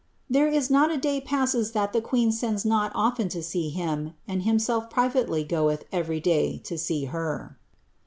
TrifP is not a day passes that Ihe queen sends not often to see him. and !uii> self privately goeth every day to see her."